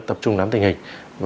tập trung nắm tình hình